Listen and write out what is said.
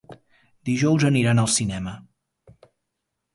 Dijous aniran al cinema.